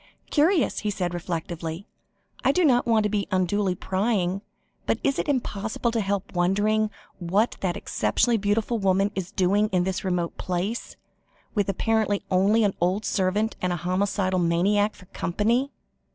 "Curious," he said reflectively. "I do not want to be unduly prying, but it is impossible to help wondering what that exceptionally beautiful woman is doing in this remote place, with apparently only an old servant and a homicidal maniac for company."